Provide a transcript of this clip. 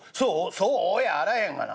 「『そう？』やあらへんがな。